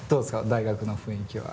大学の雰囲気は。